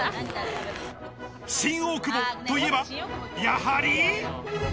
新大久保といえば、やはり。